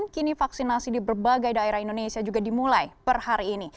kini vaksinasi di berbagai daerah indonesia juga dimulai per hari ini